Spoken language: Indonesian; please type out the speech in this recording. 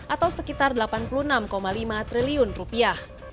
atau sekitar delapan puluh enam lima triliun rupiah